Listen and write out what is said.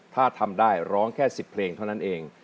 ถ้าทำได้ร้องแค่๑๐เพลงเท่านั้นเอง